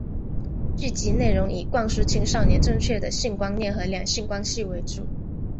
剧集内容以灌输青少年正确的性观念和两性关系为主。